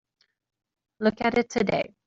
Look at it today.